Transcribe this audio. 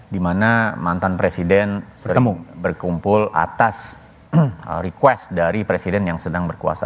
dimana mantan presiden berkumpul atas request dari presiden yang sedang berkuasa